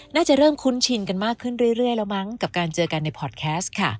น่าจะเริ่มคุ้นชินกันมากขึ้นเรื่อยแล้วมั้งกับการเจอกันในพอร์ตแคสต์ค่ะ